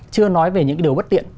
chưa nói về những cái điều bất tiện